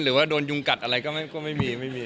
หรือว่าโดนยุงกัดอะไรก็ไม่มีไม่มี